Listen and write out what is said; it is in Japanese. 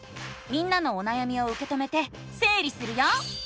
みんなのおなやみをうけ止めてせい理するよ！